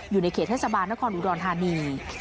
อยู่ในเขตเทศบาลนครอุดรธานี